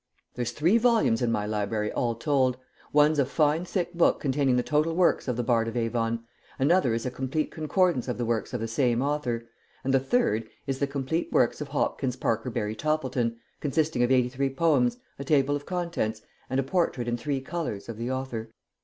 There's three volumes in my library all told. One's a fine thick book containing the total works of the bard of Avon; another is a complete concordance of the works of the same author; and the third is the complete works of Hopkins Parkerberry Toppleton, consisting of eighty three poems, a table of contents, and a portrait in three colours of the author.